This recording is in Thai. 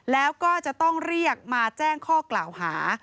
แล้วก็จะต้องเรียกมาแจ้งข้อกล่าวหา